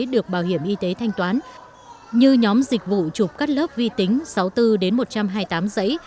được bảo hiểm y tế thanh toán như nhóm dịch vụ chụp cắt lớp vi tính sáu mươi bốn một trăm hai mươi tám giấy